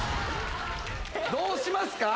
どうしますか？